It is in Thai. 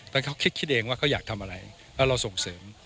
แต่เขาคิดเองว่าเขาอยากทำอะไรแล้วเราส่งเสริม